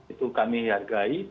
itu kami hargai